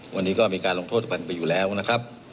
วันนี้ก็มีการลงโทษกันไปอยู่แล้วนะครับ